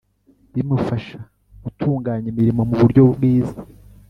bimufasha gutunganya imirimo mu buryo bwiza